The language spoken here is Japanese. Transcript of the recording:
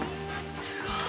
すごい！